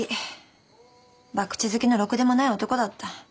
博打好きのろくでもない男だった。